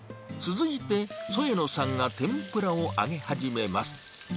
続いて、添野さんが天ぷらを揚げ始めます。